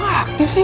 kok gak aktif sih